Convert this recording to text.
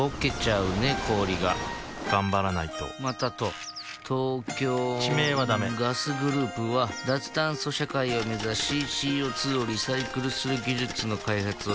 氷が頑張らないとまたと東京地名はダメガスグループは脱炭素社会を目指しＣＯ２をリサイクルする技術の開発をしています